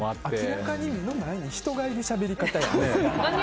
明らかに目の前に人がいるしゃべり方よね。